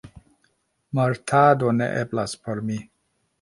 Mortado ne eblas por mi.